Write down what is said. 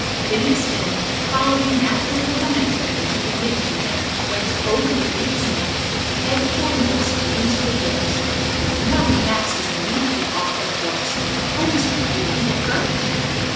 Phineas Finn, following naturally the momentum which had been given to him, went over the brute's neck head foremost into the ditch. Madame Max was immediately off her horse. "Oh, Mr. Finn, are you hurt?"